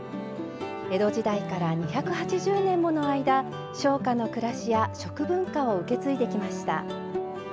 江戸時代から２８０年もの間商家の暮らしや食文化を受け継いできました。